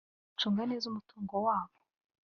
gucunga neza umutungo wabo